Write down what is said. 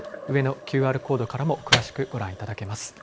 上のＱＲコードからも詳しくご覧いただけます。